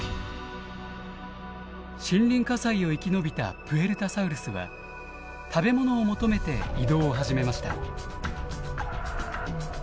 森林火災を生き延びたプエルタサウルスは食べ物を求めて移動を始めました。